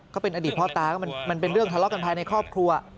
เขาเป็นอดีตพ่อตาก็มันเป็นเรื่องทะเลาะกันภายในครอบครัว